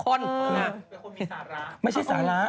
เป็นคนผิดสาระไม่ใช่สาระ